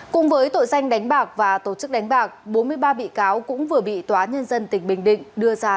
cùng với tội danh đánh bạc và tổ chức đánh bạc bốn mươi ba bị cáo cũng vừa bị tòa nhân dân tỉnh bình định đưa ra